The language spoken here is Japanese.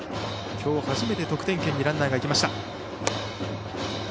きょう、初めて得点圏にランナーがいきました。